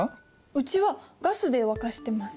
うちはガスで沸かしてます。